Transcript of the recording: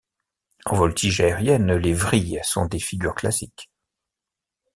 En voltige aérienne, les vrilles sont des figures classiques.